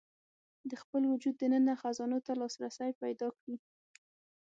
د خپل وجود دننه خزانو ته لاسرسی پيدا کړي.